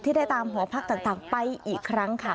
ได้ตามหอพักต่างไปอีกครั้งค่ะ